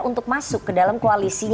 untuk masuk ke dalam koalisinya